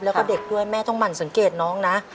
แล้วก็เด็กด้วยแม่ต้องหมั่นสังเกตน้องนะ